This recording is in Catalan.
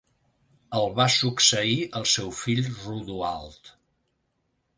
El va succeir el seu fill Rodoald.